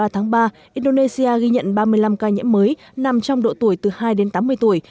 ba tháng ba indonesia ghi nhận ba mươi năm ca nhiễm mới nằm trong độ tuổi từ hai đến tám mươi tuổi